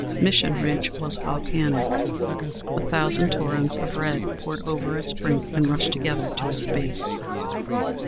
Mission Ridge was volcanic; a thousand torrents of red poured over its brink and rushed together to its base.